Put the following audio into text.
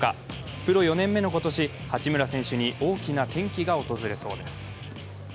プロ４年目の今年、八村選手に大きな転機が訪れそうです。